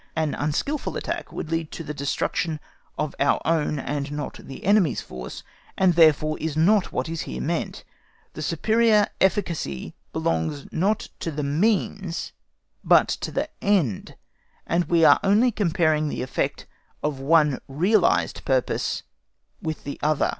An unskilful attack would lead to the destruction of our own and not of the enemy's force, and therefore is not what is here meant. The superior efficacy belongs not to the means but to the end, and we are only comparing the effect of one realised purpose with the other.